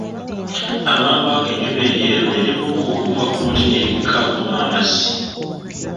Amangu ago Ejjuba eryeru ne libuuka okuva ku muti ne likka okunywa amazzi.